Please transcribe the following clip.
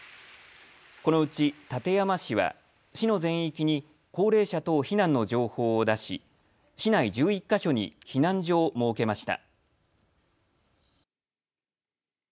このうち館山市は市の全域に高齢者等避難の情報を出し、市内１１か所に避難所を設けました。